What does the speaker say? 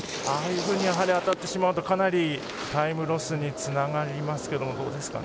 ああいうふうに当たってしまうとかなりタイムロスにつながりますけれども。